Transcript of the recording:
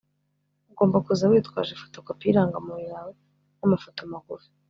Ugomba kuza witwaje fotokopi yirangamuntu yawe nama foto magufi